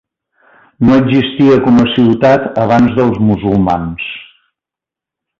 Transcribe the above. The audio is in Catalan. No existia com a ciutat abans dels musulmans.